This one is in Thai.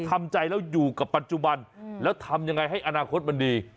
ทำใจแล้วอยู่กับปัจจุบันแล้วทำยังไงให้อนาคตมันดี